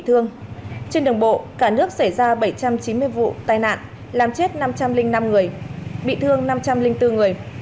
trên đường bộ cả nước xảy ra bảy trăm chín mươi vụ tai nạn làm chết năm trăm linh năm người bị thương năm trăm linh bốn người